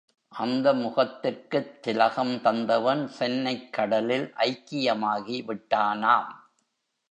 அந்த முகத்திற்குத் திலகம் தந்தவன் சென்னைக் கடலில் ஐக்கியமாகி விட்டானாம்!